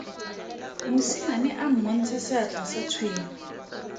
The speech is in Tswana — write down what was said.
Mosimane a mmontsha seatla sa tshwene.